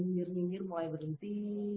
mir mir mulai berhenti